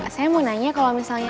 saya mau nanya kalau misalnya